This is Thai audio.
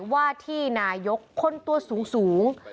ว่าที่นายกคนตัวสูง